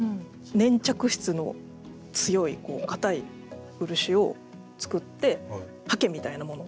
粘着質の強い硬い漆を作って刷毛みたいなもの